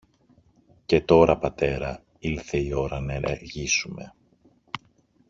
Και τώρα, πατέρα, ήλθε η ώρα να ενεργήσουμε.